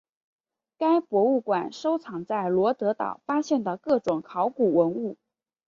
该博物馆收藏在罗得岛发现的各种考古文物。